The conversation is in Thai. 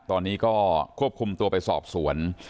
ตอนนี้ก็ควบคุมตัวไปสอบสวน